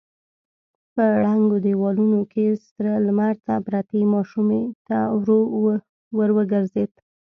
په ړنګو دېوالونو کې سره لمر ته پرتې ماشومې ته ور وګرځېد.